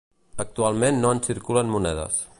Actualment no en circulen monedes.